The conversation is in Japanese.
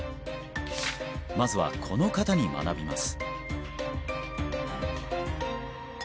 まずはこの方に学びます